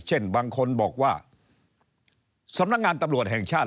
เช่นบางคนบอกว่าสำนักงานตำรวจแห่งชาติ